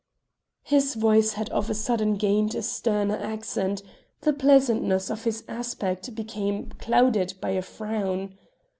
His voice had of a sudden gained a sterner accent; the pleasantness of his aspect became clouded by a frown.